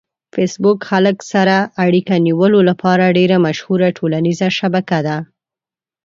فېسبوک خلک سره اړیکه نیولو لپاره ډېره مشهوره ټولنیزه شبکه ده.